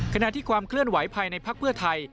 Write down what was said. ขณะที่ความเคลื่อนไหวภายในภักดิ์เพื่อไทย